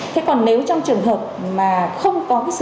thế còn nếu trong trường hợp mà không có sự